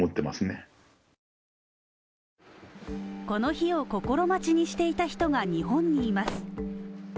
この日を心待ちにしていた人が日本にいます。